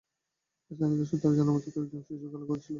স্থানীয়দের সূত্রে জানা গেছে, কয়েক জন শিশু খেলা করছিল।